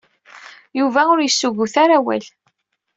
Yuba ur yessuggut ara awal.